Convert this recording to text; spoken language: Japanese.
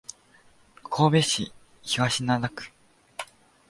神戸市東灘区